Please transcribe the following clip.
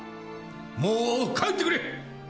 もう帰ってくれ！